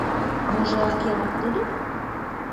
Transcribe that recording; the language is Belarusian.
Можа, я вам падыду?